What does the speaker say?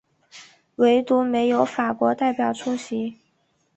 惟独没有法国代表出席。